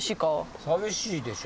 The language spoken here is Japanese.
寂しいでしょ。